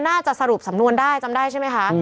น่าจะสรุปสำนวนได้จำได้ใช่ไหมคะ